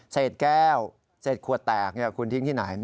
เศษแก้วเศษขวดแตกคุณทิ้งที่ไหน